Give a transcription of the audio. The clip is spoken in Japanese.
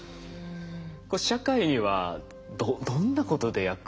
これ社会にはどんなことで役立ってきそうですか？